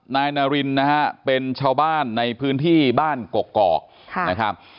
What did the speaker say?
นายนารินนะฮะเป็นชาวบ้านในพื้นที่บ้านกกอกนะครับ